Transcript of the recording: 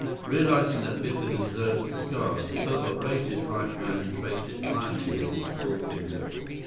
Realizing that Biff had observed the scar, Serbot raised his right hand and traced it lightly with his forefinger.